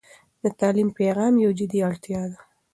د تعلیم پیغام یو جدي اړتيا ده.